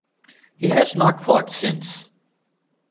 He has not fought since.